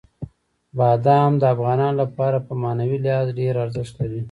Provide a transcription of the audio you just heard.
بادام د افغانانو لپاره په معنوي لحاظ ډېر ارزښت لري.